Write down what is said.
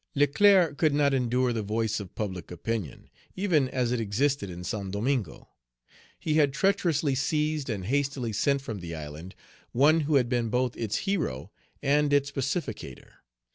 Leclerc could not endure the voice of public opinion, even as it existed in Saint Domingo. He had treacherously seized, and hastily sent from the island, one who had been both its hero and its pacificator.